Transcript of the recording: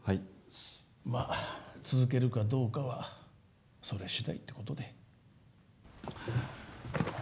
まあ、続けるかどうかはそれ次第ってことで。